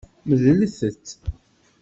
Medlet-t.